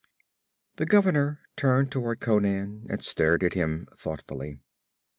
The governor turned toward Conan and stared at him thoughtfully.